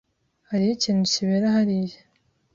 Hariho ikintu kibera hariya.